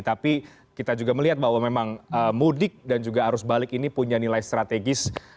tapi kita juga melihat bahwa memang mudik dan juga arus balik ini punya nilai strategis